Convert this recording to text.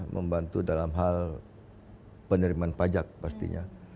membantu dalam hal penerimaan pajak pastinya